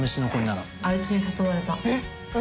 あいつに誘われた。